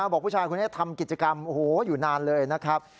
บอกผู้ชายคนนี้ทำกิจกรรมโอ้โหอยู่นานเลยนะครับ